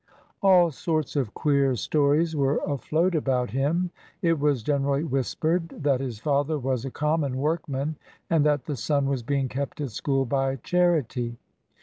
All sorts of queer stories were afloat about him. It was generally whispered that his father was a common workman, and that the son was being kept at school by charity.